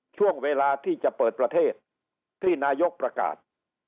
ช่วงเวลาที่จะเปิดประเทศที่นายกประกาศ